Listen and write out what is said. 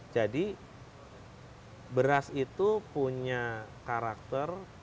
jadi beras itu punya karakter